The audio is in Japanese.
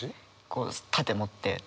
こう盾持って突撃。